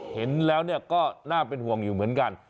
เห็นแล้วก็น่าเป็นห่วงอยู่เหมือนกัน